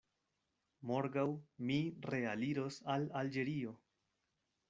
Morgaŭ mi realiros al Alĝerio.